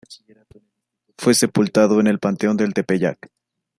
Fue sepultado en el panteón del Tepeyac.